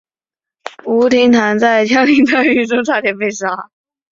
吴廷琰在枪林弹雨中差点被杀。